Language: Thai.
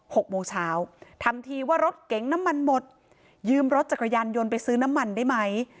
หกโมงเช้าทำทีว่ารถเก๋งน้ำมันหมดยืมรถจักรยานยนต์ไปซื้อน้ำมันได้ไหม